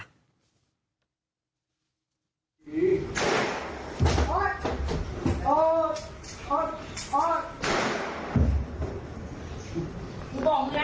กูบอกมึงยังไม่ได้